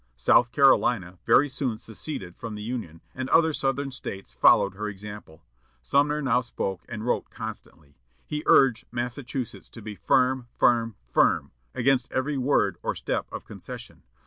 South Carolina very soon seceded from the Union, and other southern States followed her example. Sumner now spoke and wrote constantly. He urged Massachusetts to be "firm, FIRM, FIRM! against every word or step of concession....